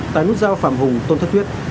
tài nút giao phạm hùng tuần trước